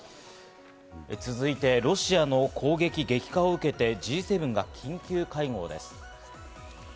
続いて、ロシアの攻撃激化を受けて、Ｇ７が緊急会合です。